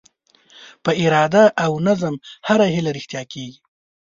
په اراده او نظم هره هیله رښتیا کېږي.